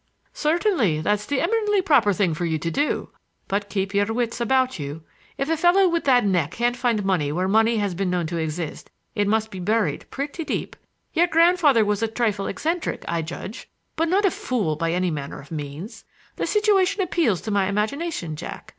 "Certainly; that's the eminently proper thing for you to do. But,—but keep your wits about you. If a fellow with that neck can't find money where money has been known to exist, it must be buried pretty deep. Your grandfather was a trifle eccentric, I judge, but not a fool by any manner of means. The situation appeals to my imagination, Jack.